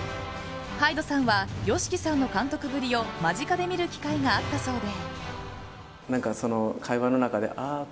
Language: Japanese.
ＨＹＤＥさんはＹＯＳＨＩＫＩさんの監督ぶりを間近で見る機会があったそうで。